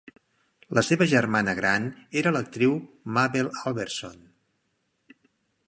La seva germana gran era l'actriu Mabel Albertson.